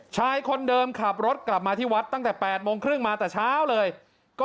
ชายคนเดิมขับรถกลับมาที่วัดตั้งแต่๘โมงครึ่งมาแต่เช้าเลย